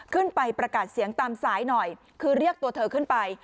ขึ้นไปประกาศเสียงตามสายหน่อยคือเรียกตัวเธอขึ้นไป